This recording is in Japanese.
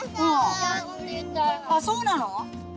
あそうなの？